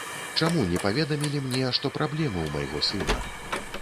Чаму не паведамілі мне, што праблемы ў майго сына?